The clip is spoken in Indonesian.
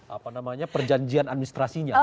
apa namanya perjanjian administrasinya